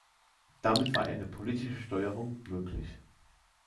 Damit war eine politische Steuerung möglich.